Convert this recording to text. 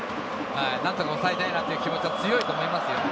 何とか抑えたいなという気持ちが強いと思いますよ。